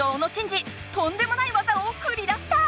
とんでもないわざをくり出した！